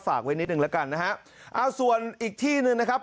ฝากไว้นิดหนึ่งแล้วกันนะฮะเอาส่วนอีกที่หนึ่งนะครับ